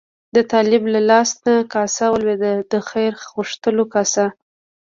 د طالب له لاس نه کاسه ولوېده، د خیر غوښتلو کاسه.